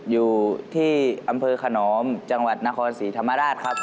อยู่ที่อำเภอขนอมจังหวัดนครศรีธรรมราชครับ